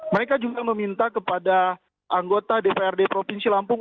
mereka juga meminta kepada anggota dprd provinsi lampung